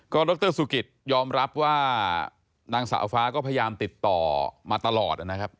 ดรสุกิตยอมรับว่านางสาวฟ้าก็พยายามติดต่อมาตลอดนะครับ